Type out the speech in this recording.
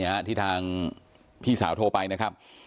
ฮะที่ทางพี่สาวโทรไปนะครับ